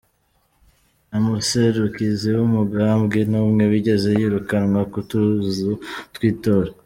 Nta muserukizi w'umugambwe n'umwe yigeze yirukanwa ku tuzu tw'itora.